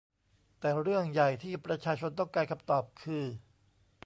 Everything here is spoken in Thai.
แต่เรื่องใหญ่ที่ประชาชนต้องการคำตอบ คือ